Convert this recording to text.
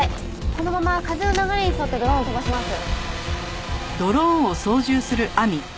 このまま風の流れに沿ってドローンを飛ばします。